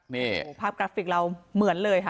นี่ภาพกราฟิกเราเหมือนเลยค่ะ